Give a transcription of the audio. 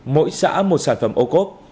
mỗi xã một sản phẩm ô cốt